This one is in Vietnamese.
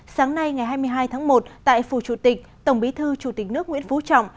sáng nay ngày hai mươi hai tháng một tại phủ chủ tịch tổng bí thư chủ tịch nước nguyễn phú trọng